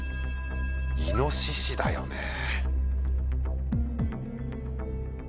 イノシシだよねぇ。